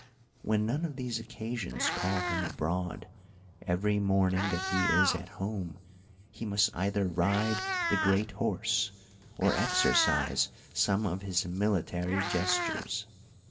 When none of these occa sions call him abroad, every morning that he is at home he must either ride the great horse, or exercise some of his military gestures.